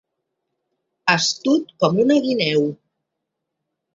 Astut com una guineu.